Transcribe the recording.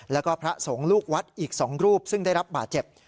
แล้วก็พระสงฆ์ลูกวัดอีก๒รูปซึ่งได้รับบาดเจ็บ